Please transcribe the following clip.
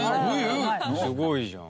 すごいじゃん。